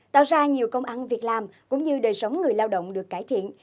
tạo ra nhiều công ăn việc làm cũng như đời sống người lao động được cải thiện